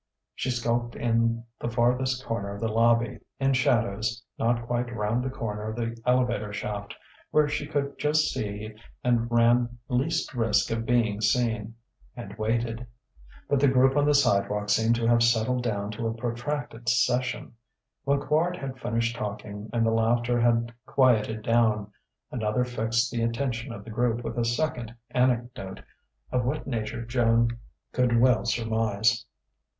She skulked in the farthest corner of the lobby, in shadows, not quite round the corner of the elevator shaft where she could just see and ran least risk of being seen and waited. But the group on the sidewalk seemed to have settled down to a protracted session. When Quard had finished talking, and the laughter had quieted down, another fixed the attention of the group with a second anecdote, of what nature Joan could well surmise.